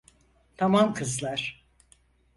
Tamam kızlar.